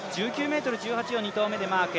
１９ｍ１８を２投目でマーク。